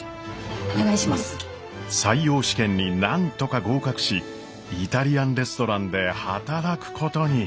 採用試験になんとか合格しイタリアンレストランで働くことに。